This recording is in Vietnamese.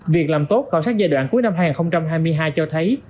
việc làm tốt khảo sát giai đoạn cuối năm hai nghìn hai mươi hai cho thấy